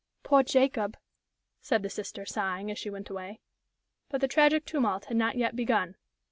"Poor Jacob!" said the sister, sighing, as she went away. But the tragic tumult had not yet begun.